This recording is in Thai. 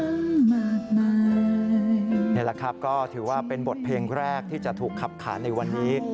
นี่แหละครับก็ถือว่าเป็นบทเพลงแรกที่จะถูกขับขาในวันนี้